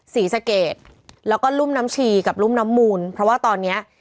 ศรีสะเกดแล้วก็รุ่มน้ำชีกับรุ่มน้ำมูลเพราะว่าตอนเนี้ย